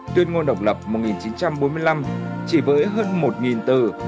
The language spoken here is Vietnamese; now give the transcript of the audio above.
tuyên ngôn độc lập một nghìn chín trăm bốn mươi năm chỉ với hơn một từ